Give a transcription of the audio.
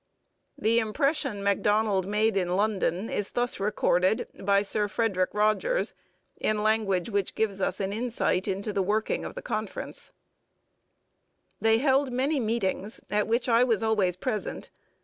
The impression Macdonald made in London is thus recorded by Sir Frederic Rogers in language which gives us an insight into the working of the conference: They held many meetings, at which I was always present.